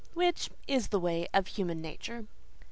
Which is the way of human nature.